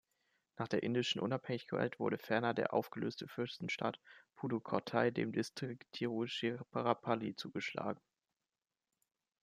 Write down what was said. Nach der indischen Unabhängigkeit wurde ferner der aufgelöste Fürstenstaat Pudukkottai dem Distrikt Tiruchirappalli zugeschlagen.